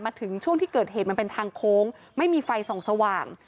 ถึงช่วงที่เกิดเหตุมันเป็นทางโค้งไม่มีไฟส่องสว่าง